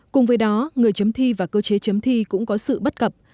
cùng với đó người chấm thi và cơ chế chấm thi cũng có sự bất cập